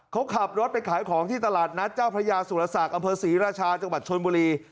เขาขับรถไปขายของที่ตลาดนัดเจ้าพระยาสุรศักดิ์อำเภอศรีราชาจังหวัดชนบุรี